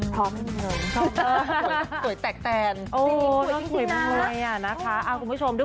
พร้อมให้ดูเลย